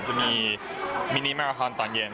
จะมีมินิมาราทอนตอนเย็น